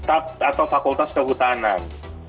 atau fakultas kehutanan